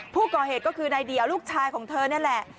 ผู้ก่อเหตุก็คือนายเดียวลูกชายของเธอนี่แหละ